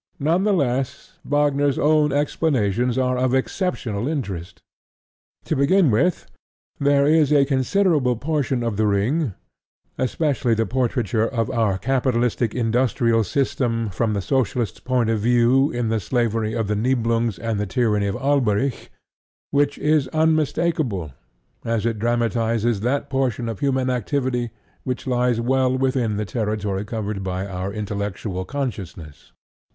None the less, Wagner's own explanations are of exceptional interest. To begin with, there is a considerable portion of The Ring, especially the portraiture of our capitalistic industrial system from the socialist's point of view in the slavery of the Niblungs and the tyranny of Alberic, which is unmistakable, as it dramatizes that portion of human activity which lies well within the territory covered by our intellectual consciousness.